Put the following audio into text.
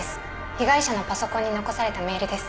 被害者のパソコンに残されたメールです。